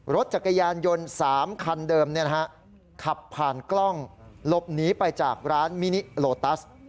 รถจักรยานยนต์๓คันเดิมขับผ่านกล้องหลบหนีไปจากร้านมินิโลตัส